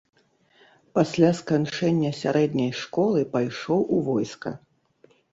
Пасля сканчэння сярэдняй школы пайшоў у войска.